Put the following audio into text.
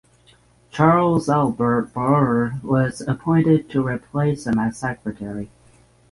Charles Albert Brougher was appointed to replace him as Secretary.